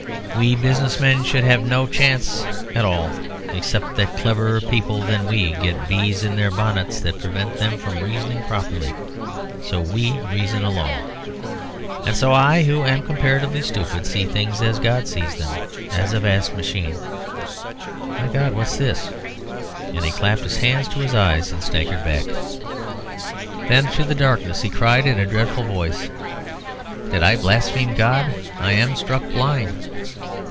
We business men should have no chance at all except that cleverer people than we get bees in their bonnets that prevent them from reasoning properly so we reason alone. And so I, who am comparatively stupid, see things as God sees them, as a vast machine. My God, what's this?" and he clapped his hands to his eyes and staggered back. Then through the darkness he cried in a dreadful voice "Did I blaspheme God? I am struck blind."